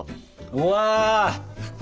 うわ！